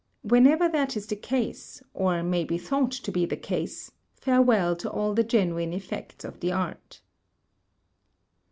Whenever that is the case, or may be thought to be the case, farewell to all the genuine effects of the art.